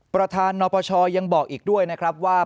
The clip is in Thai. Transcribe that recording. ประธานนปชยังบอกอีกด้วยนะครับว่า